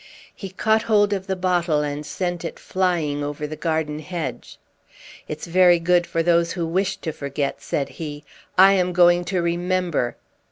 He caught hold of the bottle and sent it flying over the garden hedge. "It's very good for those who wish to forget," said he; "I am going to remember!"